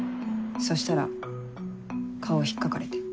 そしたら顔を引っかかれて。